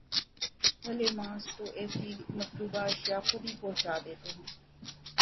بھلے مانس تو ایسی مطلوبہ اشیاء خود ہی پہنچا دیتے ہیں۔